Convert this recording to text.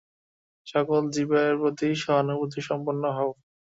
সকল জীবের প্রতি সহানুভূতিসম্পন্ন হও।